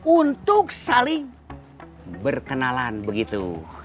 untuk saling berkenalan begitu